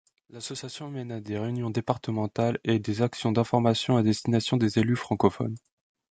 L'association mène des réunions départementales et des actions d'information à destination des élus francophones.